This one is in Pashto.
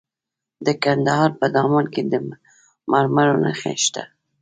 د کندهار په دامان کې د مرمرو نښې شته.